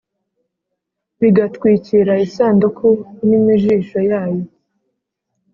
bigatwikira isanduku n’imijisho yayo